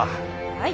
はい。